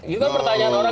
itu pertanyaan orang